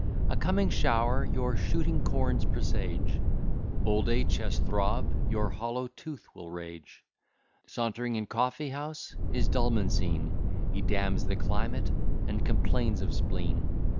A coming shower your shooting corns presage, Old a ches throb, your hollow tooth will rage; Sauntering in coffeehouse is Dulman seen; He damns the climate, and complains of spleen.